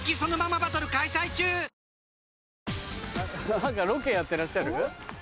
何かロケやってらっしゃる？